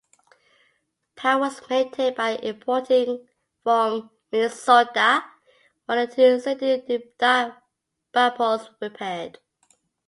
Power was maintained by importing from Minnesota while the two existing Bipoles were repaired.